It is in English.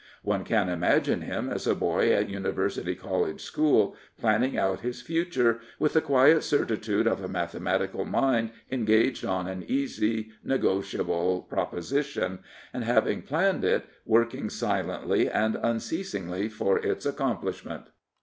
One can imagine him as a boy at University College School planning out his future with the quiet certitude of a mathematical mind engaged on an easy negotiable proposition, and, having planned it, working silently and "unceasingly for its accom plishment.